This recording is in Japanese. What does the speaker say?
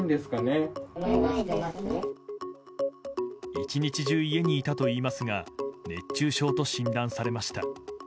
１日中、家にいたといいますが熱中症と診断されました。